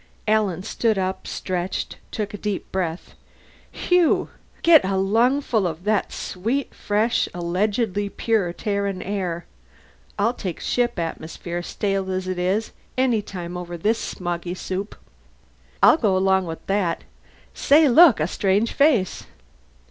Alan stood up, stretched, and took a deep breath. "Phew! Get a lungful of that sweet, fresh, allegedly pure Terran air! I'll take ship atmosphere, stale as it is, any time over this smoggy soup." "I'll go along with that. Say, look a strange face!"